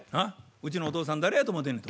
「うちのお父さん誰やと思うてんねや」と。